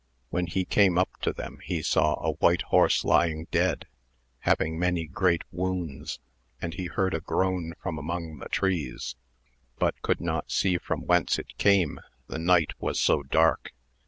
When he came up to them he saw a white horse lying dead, having many great wounds, and he heard a groan from among the trees, but could not see from whence it came, the night was so dark.